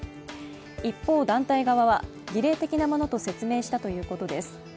一方、団体側は、儀礼的なものと説明したということです。